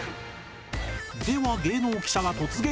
では芸能記者が突撃